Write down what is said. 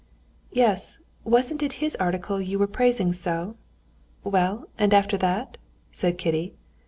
"Yes; wasn't it his article you were praising so? Well, and after that?" said Kitty.